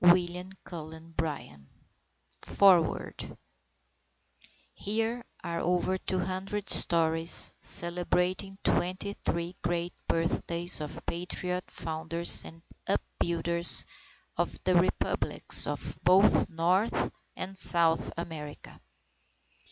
_ WILLIAM CULLEN BRYANT FOREWORD Here are over 200 stories celebrating 23 great birthdays of patriot founders and upbuilders of the Republics of both North and South America.